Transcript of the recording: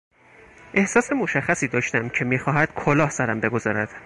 احساس مشخصی داشتم که میخواهد کلاه سرم بگذارد.